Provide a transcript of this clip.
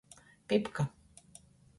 Pipka.